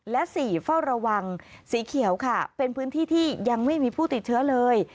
และ๔เฝ้าระวังสีเขียวค่ะเป็นพื้นที่ที่ยังไม่มีผู้ติดเชื้อเลย